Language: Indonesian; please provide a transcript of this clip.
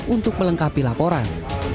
untuk melengkapi laporan